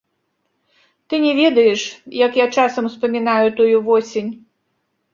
Ты не ведаеш, як я часам успамінаю тую восень.